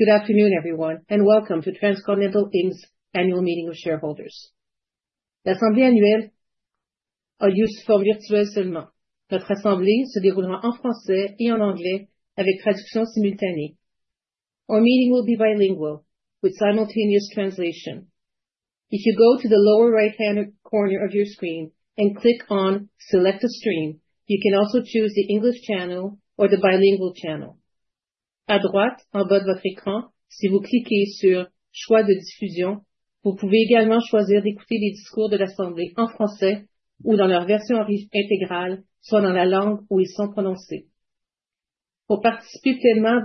Good afternoon, everyone, and welcome to Transcontinental Inc.'s annual meeting of shareholders. L'assemblée annuelle a lieu sous forme virtuelle seulement. Notre assemblée se déroulera en français et en anglais, avec traduction simultanée. Our meeting will be bilingual, with simultaneous translation. If you go to the lower right-hand corner of your screen and click on "Select a stream," you can also choose the English channel or the bilingual channel. À droite, en bas de votre écran, si vous cliquez sur "Choix de diffusion," vous pouvez également choisir d'écouter les discours de l'assemblée en français ou dans leur version intégrale, soit dans la langue où ils sont prononcés. Pour participer pleinement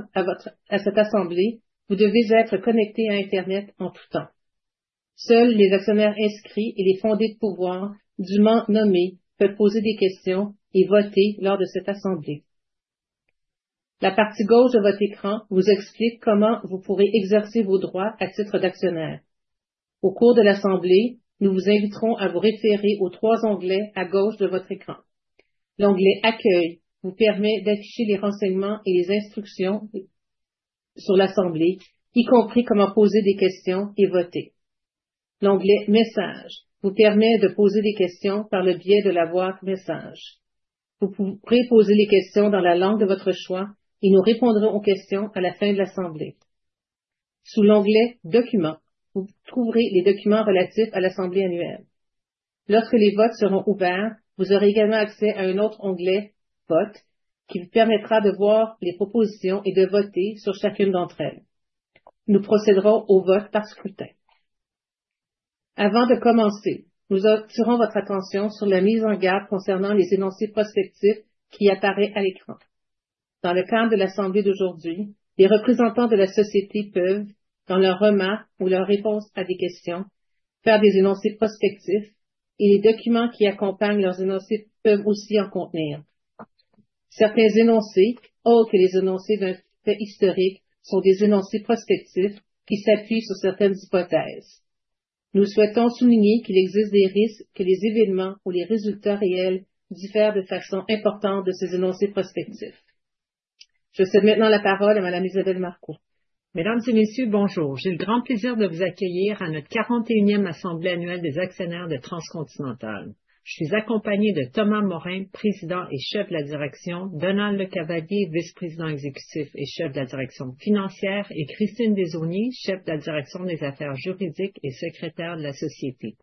à cette assemblée, vous devez être connecté à Internet en tout temps. Seuls les actionnaires inscrits et les fondés de pouvoir dûment nommés peuvent poser des questions et voter lors de cette assemblée. La partie gauche de votre écran vous explique comment vous pourrez exercer vos droits à titre d'actionnaire. Au cours de l'assemblée, nous vous inviterons à vous référer aux trois onglets à gauche de votre écran. L'onglet « Accueil » vous permet d'afficher les renseignements et les instructions sur l'assemblée, y compris comment poser des questions et voter. L'onglet « Messages » vous permet de poser des questions par le biais de la boîte « Messages ». Vous pourrez poser les questions dans la langue de votre choix, et nous répondrons aux questions à la fin de l'assemblée. Sous l'onglet « Documents », vous trouverez les documents relatifs à l'assemblée annuelle. Lorsque les votes seront ouverts, vous aurez également accès à un autre onglet, « Votes », qui vous permettra de voir les propositions et de voter sur chacune d'entre elles. Nous procéderons au vote par scrutin. Avant de commencer, nous attirons votre attention sur la mise en garde concernant les énoncés prospectifs qui apparaît à l'écran. Dans le cadre de l'assemblée d'aujourd'hui, les représentants de la société peuvent, dans leurs remarques ou leurs réponses à des questions, faire des énoncés prospectifs, et les documents qui accompagnent leurs énoncés peuvent aussi en contenir. Certains énoncés, autres que les énoncés d'un fait historique, sont des énoncés prospectifs qui s'appuient sur certaines hypothèses. Nous souhaitons souligner qu'il existe des risques que les événements ou les résultats réels diffèrent de façon importante de ces énoncés prospectifs. Je cède maintenant la parole à Madame Isabelle Marcoux. Mesdames et Messieurs, bonjour. J'ai le grand plaisir de vous accueillir à notre 41e Assemblée annuelle des actionnaires de Transcontinental. Je suis accompagnée de Thomas Morin, Président et Chef de la direction; Donald LeCavalier, Vice-président exécutif et Chef de la direction financière; et Christine Desaulniers, Chef de la direction des affaires juridiques et Secrétaire de la société.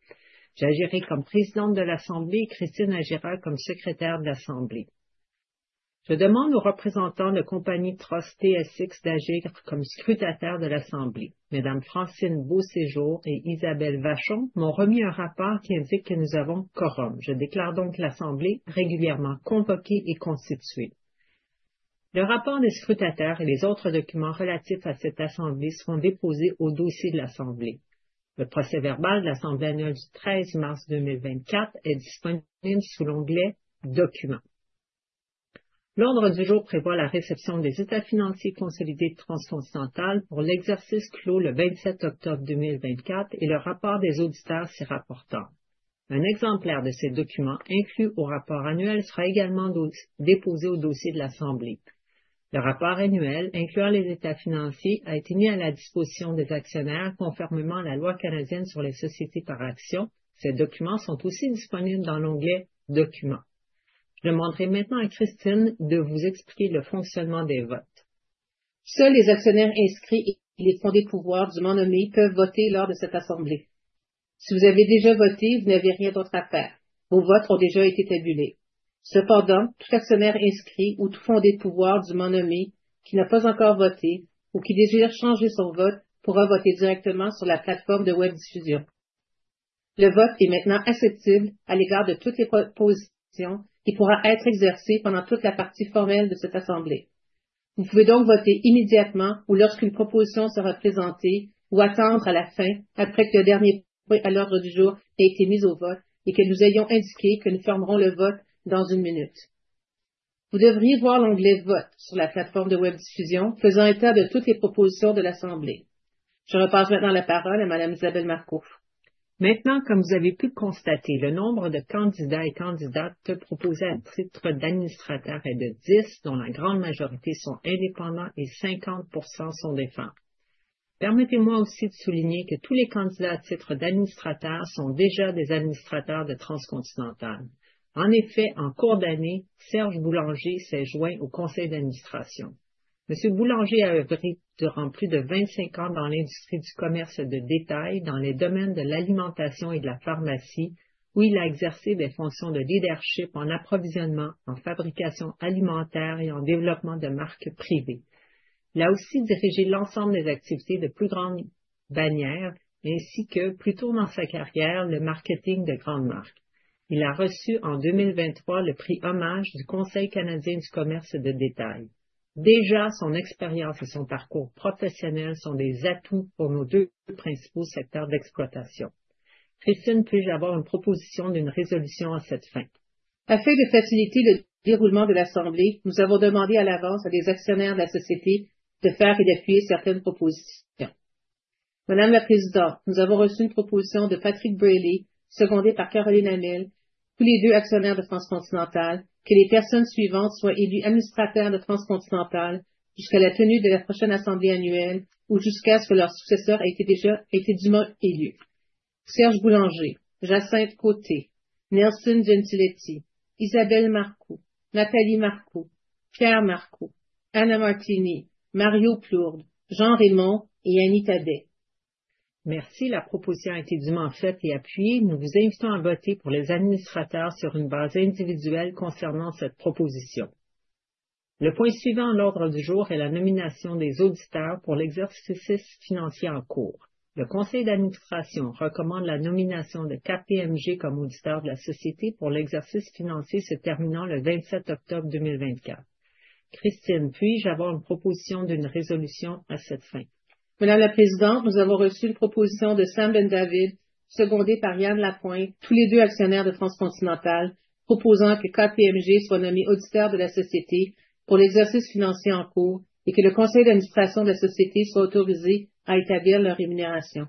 J'agirai comme Présidente de l'assemblée et Christine agira comme Secrétaire de l'assemblée. Je demande aux représentants de Compagnies de Crosse TSX d'agir comme scrutateurs de l'assemblée. Mesdames Francine Beauséjour et Isabelle Vachon m'ont remis un rapport qui indique que nous avons quorum. Je déclare donc l'assemblée régulièrement convoquée et constituée. Le rapport des scrutateurs et les autres documents relatifs à cette assemblée seront déposés au dossier de l'assemblée. Le procès-verbal de l'assemblée annuelle du 13 mars 2024 est disponible sous l'onglet « Documents ». L'ordre du jour prévoit la réception des états financiers consolidés de Transcontinental pour l'exercice clos le 27 octobre 2024 et le rapport des auditeurs s'y rapportant. Un exemplaire de ces documents inclus au rapport annuel sera également déposé au dossier de l'assemblée. Le rapport annuel incluant les états financiers a été mis à la disposition des actionnaires conformément à la Loi canadienne sur les sociétés par actions. Ces documents sont aussi disponibles dans l'onglet « Documents ». Je demanderai maintenant à Christine de vous expliquer le fonctionnement des votes. Seuls les actionnaires inscrits et les fondés de pouvoir dûment nommés peuvent voter lors de cette assemblée. Si vous avez déjà voté, vous n'avez rien d'autre à faire. Vos votes ont déjà été tabulés. Cependant, tout actionnaire inscrit ou tout fondé de pouvoir dûment nommé qui n'a pas encore voté ou qui désire changer son vote pourra voter directement sur la plateforme de webdiffusion. Le vote est maintenant acceptable à l'égard de toutes les propositions et pourra être exercé pendant toute la partie formelle de cette assemblée. Vous pouvez donc voter immédiatement ou lorsqu'une proposition sera présentée ou attendre à la fin après que le dernier point à l'ordre du jour ait été mis au vote et que nous ayons indiqué que nous fermerons le vote dans une minute. Vous devriez voir l'onglet « Votes » sur la plateforme de webdiffusion faisant état de toutes les propositions de l'assemblée. Je repasse maintenant la parole à Madame Isabelle Marcoux. Maintenant, comme vous avez pu le constater, le nombre de candidats et candidates proposés à titre d'administrateurs est de 10, dont la grande majorité sont indépendants et 50% sont des femmes. Permettez-moi aussi de souligner que tous les candidats à titre d'administrateurs sont déjà des administrateurs de Transcontinental. En effet, en cours d'année, Serge Boulanger s'est joint au conseil d'administration. Monsieur Boulanger a œuvré durant plus de 25 ans dans l'industrie du commerce de détail dans les domaines de l'alimentation et de la pharmacie, où il a exercé des fonctions de leadership en approvisionnement, en fabrication alimentaire et en développement de marques privées. Il a aussi dirigé l'ensemble des activités de plus grande bannière, ainsi que, plus tôt dans sa carrière, le marketing de grandes marques. Il a reçu en 2023 le prix Hommage du Conseil canadien du commerce de détail. Déjà, son expérience et son parcours professionnel sont des atouts pour nos deux principaux secteurs d'exploitation. Christine, puis-je avoir une proposition d'une résolution à cette fin? Afin de faciliter le déroulement de l'assemblée, nous avons demandé à l'avance à des actionnaires de la société de faire et d'appuyer certaines propositions. Madame la Présidente, nous avons reçu une proposition de Patrick Brailley, secondé par Caroline Hamel, tous les deux actionnaires de Transcontinental, que les personnes suivantes soient élues administrateurs de Transcontinental jusqu'à la tenue de la prochaine assemblée annuelle ou jusqu'à ce que leur successeur ait été dûment élu: Serge Boulanger, Jacinthe Côté, Nelson Gentiletti, Isabelle Marcoux, Nathalie Marcoux, Pierre Marcoux, Anna Martini, Mario Plourde, Jean Raymond et Annie Tabet. Merci. La proposition a été dûment faite et appuyée. Nous vous invitons à voter pour les administrateurs sur une base individuelle concernant cette proposition. Le point suivant à l'ordre du jour est la nomination des auditeurs pour l'exercice financier en cours. Le Conseil d'Administration recommande la nomination de KPMG comme auditeur de la société pour l'exercice financier se terminant le 27 octobre 2024. Christine, puis-je avoir une proposition d'une résolution à cette fin ? Madame la Présidente, nous avons reçu une proposition de Sam Ben-David, secondé par Yan Lapointe, tous les deux actionnaires de Transcontinental, proposant que KPMG soit nommé auditeur de la société pour l'exercice financier en cours et que le conseil d'administration de la société soit autorisé à établir leur rémunération.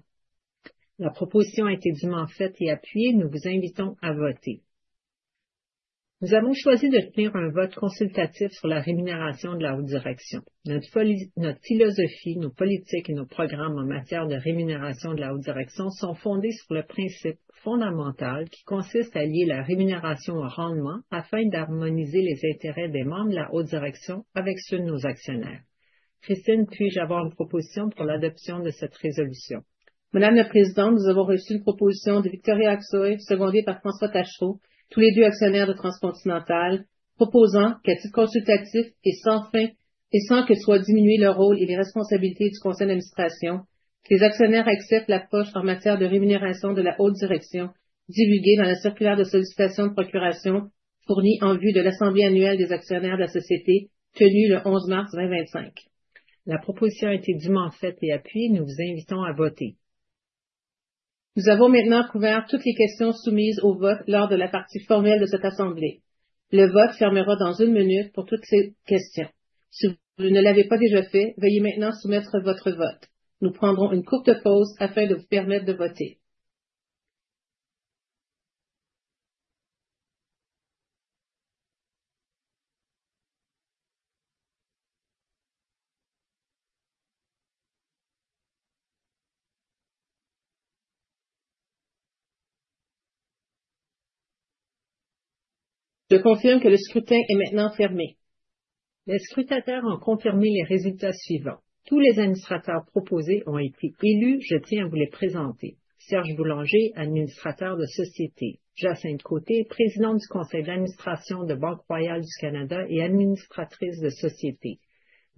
La proposition a été dûment faite et appuyée. Nous vous invitons à voter. Nous avons choisi de tenir un vote consultatif sur la rémunération de la haute direction. Notre philosophie, nos politiques et nos programmes en matière de rémunération de la haute direction sont fondés sur le principe fondamental qui consiste à lier la rémunération au rendement afin d'harmoniser les intérêts des membres de la haute direction avec ceux de nos actionnaires. Christine, puis-je avoir une proposition pour l'adoption de cette résolution? Madame la Présidente, nous avons reçu une proposition de Victoria Aksoy, secondée par François Taschereau, tous les deux actionnaires de Transcontinental, proposant qu'à titre consultatif et sans fin et sans que soit diminué le rôle et les responsabilités du conseil d'administration, les actionnaires acceptent l'approche en matière de rémunération de la haute direction divulguée dans la circulaire de sollicitation de procuration fournie en vue de l'assemblée annuelle des actionnaires de la société tenue le 11 mars 2025. La proposition a été dûment faite et appuyée. Nous vous invitons à voter. Nous avons maintenant couvert toutes les questions soumises au vote lors de la partie formelle de cette assemblée. Le vote fermera dans une minute pour toutes ces questions. Si vous ne l'avez pas déjà fait, veuillez maintenant soumettre votre vote. Nous prendrons une courte pause afin de vous permettre de voter. Je confirme que le scrutin est maintenant fermé. Les scrutateurs ont confirmé les résultats suivants: tous les administrateurs proposés ont été élus. Je tiens à vous les présenter: Serge Boulanger, Administrateur de société; Jacinthe Côté, Présidente du conseil d'administration de Banque Royale du Canada et Administratrice de société;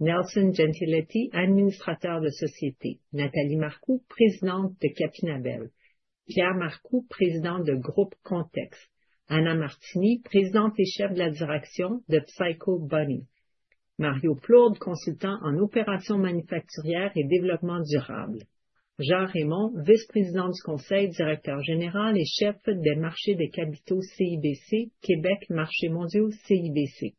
Nelson Gentiletti, Administrateur de société; Nathalie Marcoux, Présidente de Capinabel; Pierre Marcoux, Président de Groupe Contexte ; Anna Martini, Présidente et Chef de la direction de PsychoBunny; Mario Plourde, Consultant en opérations manufacturières et développement durable; Jean Raymond, Vice-président du conseil, Directeur général et Chef des marchés des capitaux CIBC, Québec marchés mondiaux CIBC;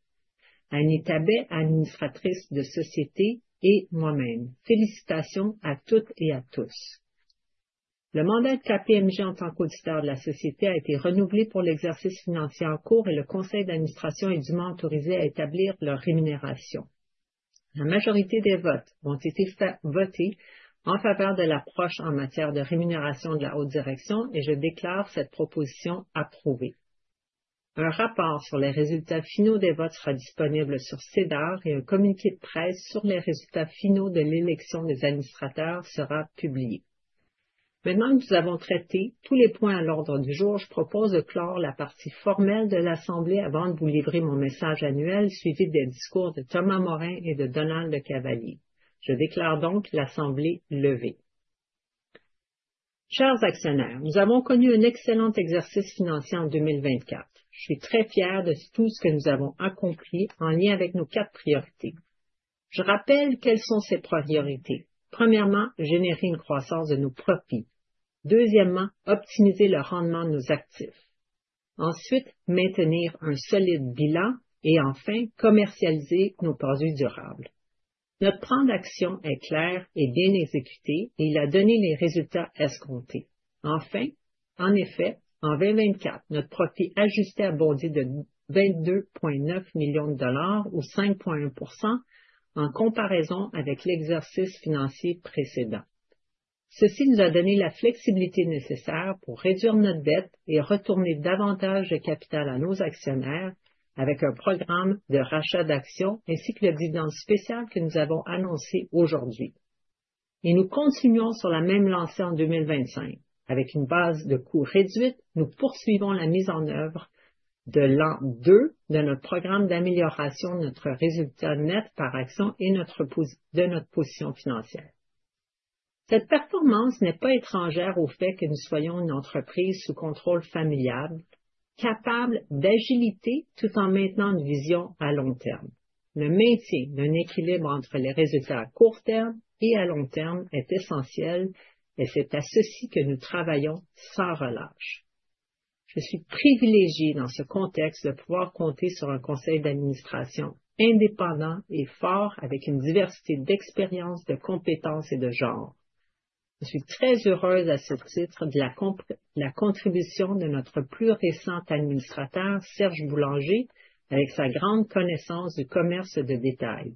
Annie Tabet, Administratrice de société; et moi-même. Félicitations à toutes et à tous. Le mandat de KPMG en tant qu'auditeur de la société a été renouvelé pour l'exercice financier en cours et le conseil d'administration est dûment autorisé à établir leur rémunération. La majorité des votes ont été votés en faveur de l'approche en matière de rémunération de la haute direction et je déclare cette proposition approuvée. Un rapport sur les résultats finaux des votes sera disponible sur SEDAR et un communiqué de presse sur les résultats finaux de l'élection des administrateurs sera publié. Maintenant que nous avons traité tous les points à l'ordre du jour, je propose de clore la partie formelle de l'assemblée avant de vous livrer mon message annuel suivi des discours de Thomas Morin et de Donald LeCavalier. Je déclare donc l'assemblée levée. Chers actionnaires, nous avons connu un excellent exercice financier en 2024. Je suis très fière de tout ce que nous avons accompli en lien avec nos quatre priorités. Je rappelle quelles sont ces priorités: premièrement, générer une croissance de nos profits ; deuxièmement, optimiser le rendement de nos actifs; ensuite, maintenir un solide bilan; et enfin, commercialiser nos produits durables. Notre plan d'action est clair et bien exécuté, et il a donné les résultats escomptés. En effet, en 2024, notre profit ajusté a bondi de 22,9 millions de dollars ou 5,1 % en comparaison avec l'exercice financier précédent. Ceci nous a donné la flexibilité nécessaire pour réduire notre dette et retourner davantage de capital à nos actionnaires avec un programme de rachat d'actions ainsi que le dividende spécial que nous avons annoncé aujourd'hui. Nous continuons sur la même lancée en 2025. Avec une base de coûts réduite, nous poursuivons la mise en œuvre de l'an 2 de notre programme d'amélioration de notre résultat net par action et de notre position financière. Cette performance n'est pas étrangère au fait que nous soyons une entreprise sous contrôle familial, capable d'agilité tout en maintenant une vision à long terme. Le maintien d'un équilibre entre les résultats à court terme et à long terme est essentiel, et c'est à ceci que nous travaillons sans relâche. Je suis privilégiée dans ce contexte de pouvoir compter sur un conseil d'administration indépendant et fort, avec une diversité d'expériences, de compétences et de genre. Je suis très heureuse à ce titre de la contribution de notre plus récent administrateur, Serge Boulanger, avec sa grande connaissance du commerce de détail.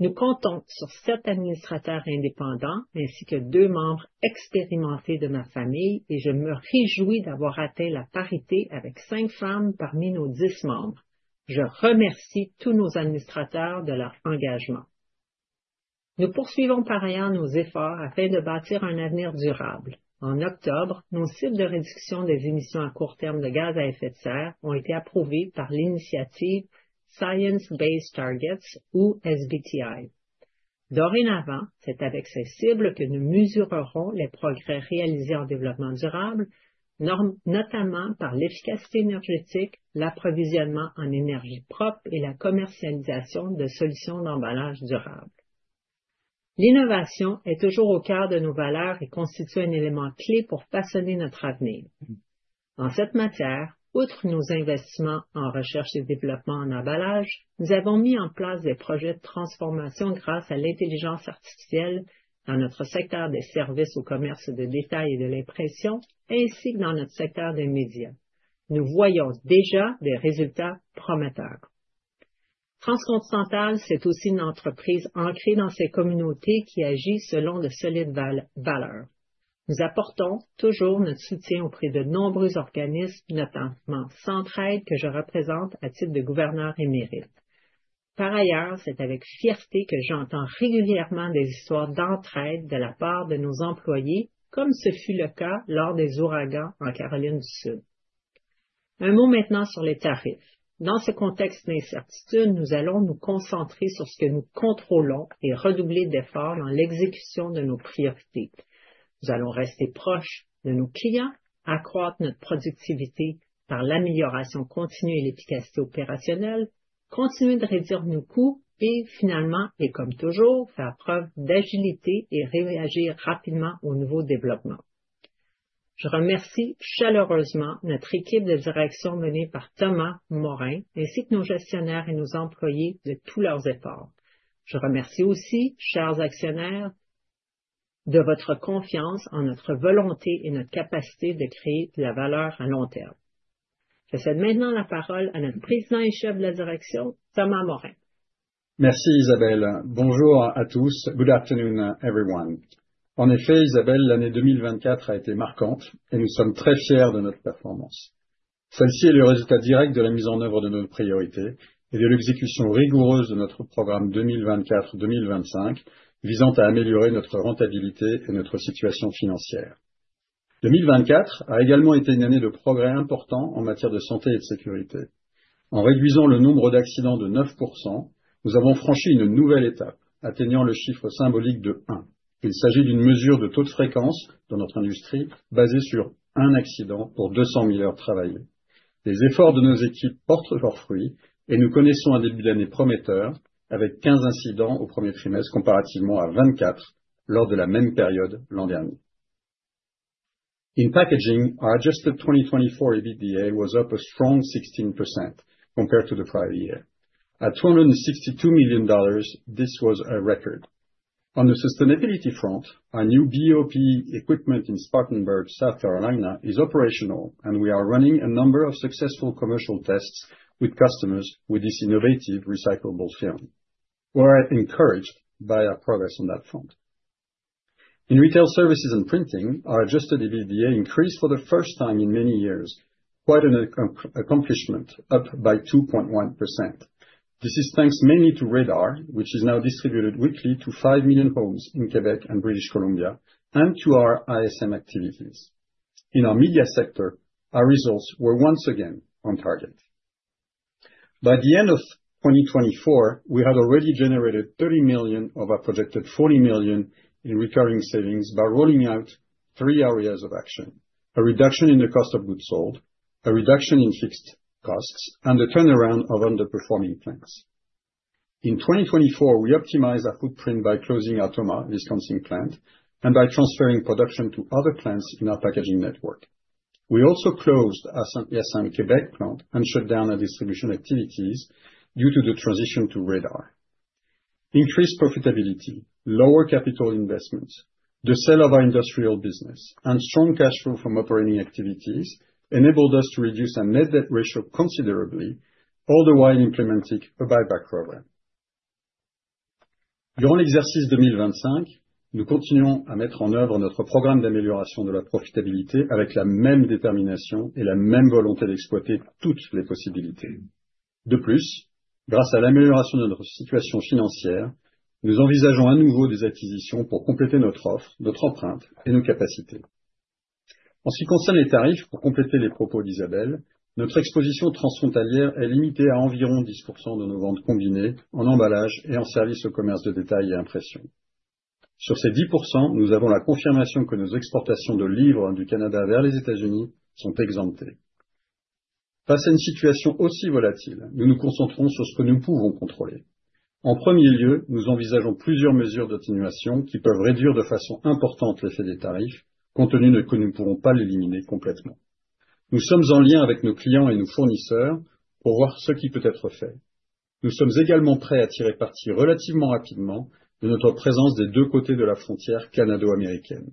Nous comptons sur sept administrateurs indépendants ainsi que deux membres expérimentés de ma famille, et je me réjouis d'avoir atteint la parité avec cinq femmes parmi nos dix membres. Je remercie tous nos administrateurs de leur engagement. Nous poursuivons par ailleurs nos efforts afin de bâtir un avenir durable. En octobre, nos cibles de réduction des émissions à court terme de gaz à effet de serre ont été approuvées par l'initiative Science Based Targets ou SBTi. Dorénavant, c'est avec ces cibles que nous mesurerons les progrès réalisés en développement durable, notamment par l'efficacité énergétique, l'approvisionnement en énergie propre et la commercialisation de solutions d'emballage durable. L'innovation est toujours au cœur de nos valeurs et constitue un élément clé pour façonner notre avenir. En cette matière, outre nos investissements en recherche et développement en emballage, nous avons mis en place des projets de transformation grâce à l'intelligence artificielle dans notre secteur des services au commerce de détail et de l'impression, ainsi que dans notre secteur des médias. Nous voyons déjà des résultats prometteurs. Transcontinental, c'est aussi une entreprise ancrée dans ses communautés qui agit selon de solides valeurs. Nous apportons toujours notre soutien auprès de nombreux organismes, notamment Centraide, que je représente à titre de gouverneur émérite. Par ailleurs, c'est avec fierté que j'entends régulièrement des histoires d'entraide de la part de nos employés, comme ce fut le cas lors des ouragans en Caroline du Sud. Un mot maintenant sur les tarifs. Dans ce contexte d'incertitude, nous allons nous concentrer sur ce que nous contrôlons et redoubler d'efforts dans l'exécution de nos priorités. Nous allons rester proches de nos clients, accroître notre productivité par l'amélioration continue et l'efficacité opérationnelle, continuer de réduire nos coûts et, finalement, et comme toujours, faire preuve d'agilité et réagir rapidement aux nouveaux développements. Je remercie chaleureusement notre équipe de direction menée par Thomas Morin, ainsi que nos gestionnaires et nos employés de tous leurs efforts. Je remercie aussi, chers actionnaires, de votre confiance en notre volonté et notre capacité de créer de la valeur à long terme. Je cède maintenant la parole à notre président et chef de la direction, Thomas Morin. Merci, Isabelle. Bonjour à tous. Good afternoon, everyone. En effet, Isabelle, l'année 2024 a été marquante et nous sommes très fiers de notre performance. Celle-ci est le résultat direct de la mise en œuvre de nos priorités et de l'exécution rigoureuse de notre programme 2024-2025, visant à améliorer notre rentabilité et notre situation financière. 2024 a également été une année de progrès important en matière de santé et de sécurité. En réduisant le nombre d'accidents de 9%, nous avons franchi une nouvelle étape, atteignant le chiffre symbolique de 1. Il s'agit d'une mesure de taux de fréquence dans notre industrie, basée sur un accident pour 200 000 heures travaillées. Les efforts de nos équipes portent leurs fruits et nous connaissons un début d'année prometteur, avec 15 incidents au premier trimestre, comparativement à 24 lors de la même période l'an dernier. In packaging, our adjusted 2024 EBITDA was up a strong 16% compared to the prior year. At $262 million, this was a record. On the sustainability front, our new BOP equipment in Spartanburg, South Carolina, is operational, and we are running a number of successful commercial tests with customers with this innovative recyclable film. We are encouraged by our progress on that front. In retail services and printing, our adjusted EBITDA increased for the first time in many years, quite an accomplishment, up by 2.1%. This is thanks mainly to Radar, which is now distributed weekly to 5 million homes in Québec and British Columbia, and to our ISM activities. In our media sector, our results were once again on target. By the end of 2024, we had already generated $30 million of our projected $40 million in recurring savings by rolling out three areas of action: a reduction in the cost of goods sold, a reduction in fixed costs, and a turnaround of underperforming plants. In 2024, we optimized our footprint by closing our Thomas Wisconsin plant and by transferring production to other plants in our packaging network. We also closed our ISM Québec plant and shut down our distribution activities due to the transition to Radar. Increased profitability, lower capital investments, the sale of our industrial business, and strong cash flow from operating activities enabled us to reduce our net debt ratio considerably, all the while implementing a buyback program. Durant l'exercice 2025, nous continuons à mettre en œuvre notre programme d'amélioration de la profitabilité avec la même détermination et la même volonté d'exploiter toutes les possibilités. De plus, grâce à l'amélioration de notre situation financière, nous envisageons à nouveau des acquisitions pour compléter notre offre, notre empreinte et nos capacités. En ce qui concerne les tarifs, pour compléter les propos d'Isabelle, notre exposition transfrontalière est limitée à environ 10% de nos ventes combinées en emballage et en services au commerce de détail et impression. Sur ces 10%, nous avons la confirmation que nos exportations de livres du Canada vers les États-Unis sont exemptées. Face à une situation aussi volatile, nous nous concentrons sur ce que nous pouvons contrôler. En premier lieu, nous envisageons plusieurs mesures d'atténuation qui peuvent réduire de façon importante l'effet des tarifs, compte tenu que nous ne pouvons pas l'éliminer complètement. Nous sommes en lien avec nos clients et nos fournisseurs pour voir ce qui peut être fait. Nous sommes également prêts à tirer parti relativement rapidement de notre présence des deux côtés de la frontière canado-américaine.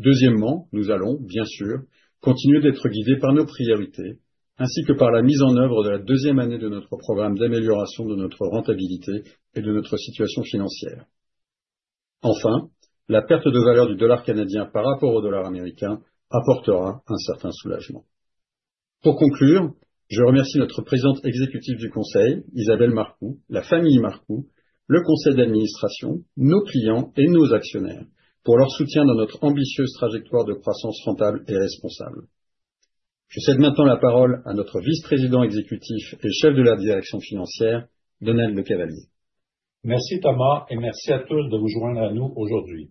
Deuxièmement, nous allons, bien sûr, continuer d'être guidés par nos priorités ainsi que par la mise en œuvre de la deuxième année de notre programme d'amélioration de notre rentabilité et de notre situation financière. Enfin, la perte de valeur du dollar canadien par rapport au dollar américain apportera un certain soulagement. Pour conclure, je remercie notre Présidente Exécutive du Conseil, Isabelle Marcoux, la famille Marcoux, le conseil d'administration, nos clients et nos actionnaires pour leur soutien dans notre ambitieuse trajectoire de croissance rentable et responsable. Je cède maintenant la parole à notre Vice-Président Exécutif et Chef de la Direction Financière, Donald LeCavalier. Merci, Thomas, et merci à tous de vous joindre à nous aujourd'hui.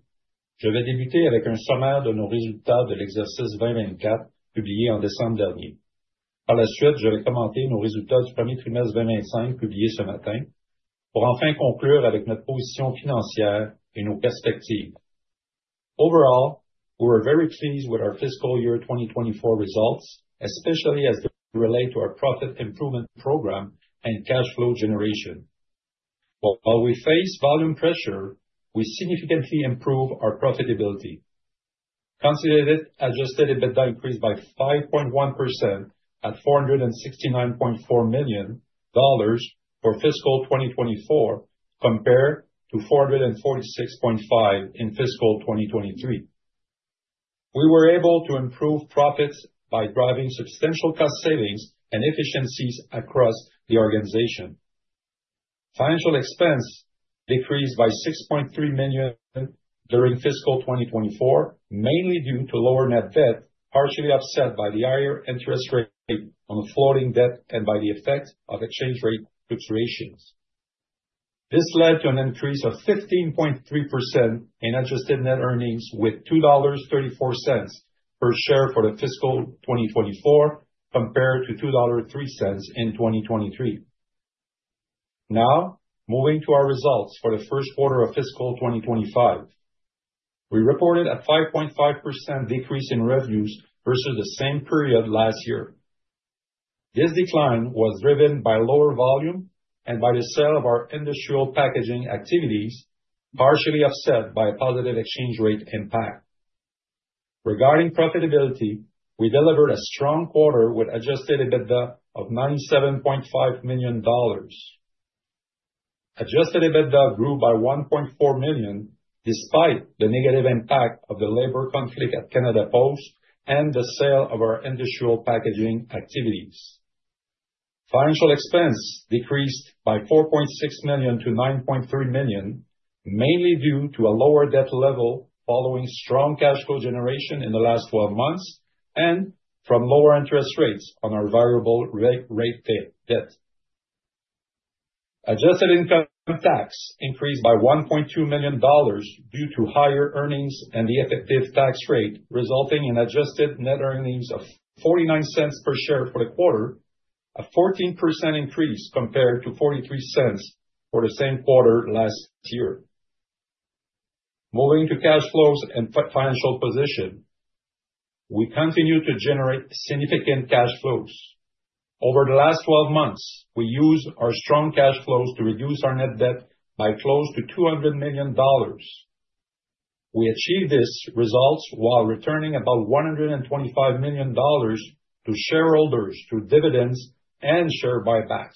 Je vais débuter avec un sommaire de nos résultats de l'exercice 2024 publié en décembre dernier. Par la suite, je vais commenter nos résultats du premier trimestre 2025 publiés ce matin, pour enfin conclure avec notre position financière et nos perspectives. Overall, we are very pleased with our fiscal year 2024 results, especially as they relate to our profit improvement program and cash flow generation. While we face volume pressure, we significantly improved our profitability. Consider this adjusted EBITDA increased by 5.1% at $469.4 million for fiscal 2024, compared to $446.5 million in fiscal 2023. We were able to improve profits by driving substantial cost savings and efficiencies across the organization. Financial expense decreased by $6.3 million during fiscal 2024, mainly due to lower net debt, partially offset by the higher interest rate on floating debt and by the effect of exchange rate fluctuations. This led to an increase of 15.3% in adjusted net earnings, with $2.34 per share for the fiscal 2024, compared to $2.03 in 2023. Moving to our results for the first quarter of fiscal 2025, we reported a 5.5% decrease in revenues versus the same period last year. This decline was driven by lower volume and by the sale of our industrial packaging activities, partially offset by a positive exchange rate impact. Regarding profitability, we delivered a strong quarter with adjusted EBITDA of $97.5 million. Adjusted EBITDA grew by $1.4 million despite the negative impact of the labor conflict at Canada Post and the sale of our industrial packaging activities. Financial expense decreased by $4.6 million to $9.3 million, mainly due to a lower debt level following strong cash flow generation in the last 12 months and from lower interest rates on our variable rate debt. Adjusted income tax increased by $1.2 million due to higher earnings and the effective tax rate, resulting in adjusted net earnings of $0.49 per share for the quarter, a 14% increase compared to $0.43 for the same quarter last year. Moving to cash flows and financial position, we continue to generate significant cash flows. Over the last 12 months, we used our strong cash flows to reduce our net debt by close to $200 million. We achieved these results while returning about $125 million to shareholders through dividends and share buyback.